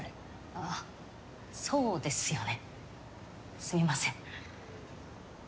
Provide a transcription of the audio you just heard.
あっそうですよねすみません。